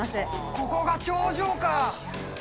ここが頂上か！